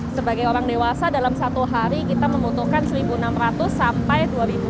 sebagai orang dewasa dalam satu hari kita membutuhkan satu enam ratus sampai dua ratus